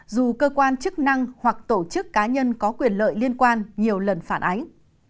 dù cơ quan chức năng hoặc tổ chức cá nhân có quyền lợi liên quan nhiều lần phản ánh